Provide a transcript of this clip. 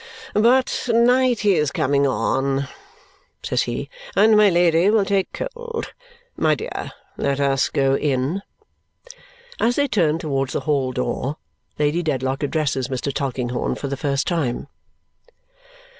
"But night is coming on," says he, "and my Lady will take cold. My dear, let us go in." As they turn towards the hall door, Lady Dedlock addresses Mr. Tulkinghorn for the first time.